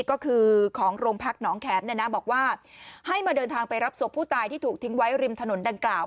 ก็คือของโรงพักหนองแขมบอกว่าให้มาเดินทางไปรับศพผู้ตายที่ถูกทิ้งไว้ริมถนนดังกล่าว